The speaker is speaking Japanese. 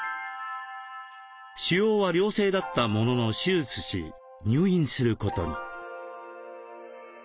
腫瘍は良性だったものの手術し入院することに。